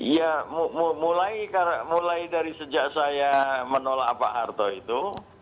ya mulai dari sejak saya menolak pak harto itu